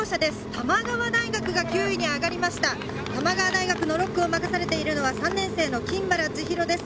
玉川大学が９位に上がりました、玉川大学の６区を任されているのは３年生の金原千尋です。